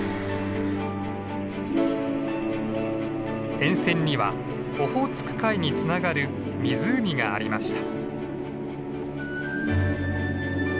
沿線にはオホーツク海につながる湖がありました。